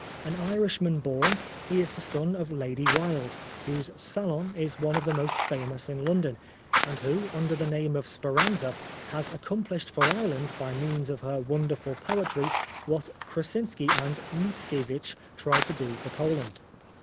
An Irishman born, he is the son of Lady Wilde, whose salon is one of the most famous in London, and who, under the name of " Speranza," has accomplished for Ireland, by means of her wonderful poetry, what Krasinski and Mickiewicz tried to do for Poland.